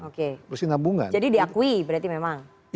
oke jadi diakui berarti memang